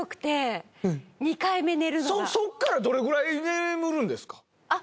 そこからどれくらい眠るんですか？